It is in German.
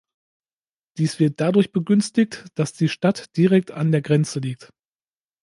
Dies wird dadurch begünstigt, dass die Stadt direkt an der Grenze liegt.